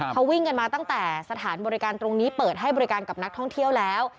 เขาวิ่งกันมาตั้งแต่สถานบริการตรงนี้เปิดให้บริการกับนักท่องเที่ยวแล้ว